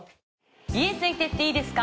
『家、ついて行ってイイですか？』。